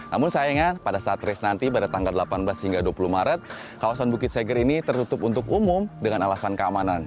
namun sayangnya pada saat race nanti pada tanggal delapan belas hingga dua puluh maret kawasan bukit seger ini tertutup untuk umum dengan alasan keamanan